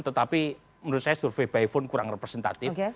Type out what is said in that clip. tetapi menurut saya survei by phone kurang representatif